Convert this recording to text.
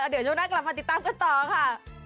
เดี๋ยวช่วงหน้ากลับมาติดตามกันต่อค่ะ